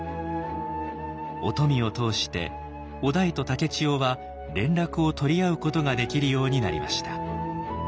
於富を通して於大と竹千代は連絡を取り合うことができるようになりました。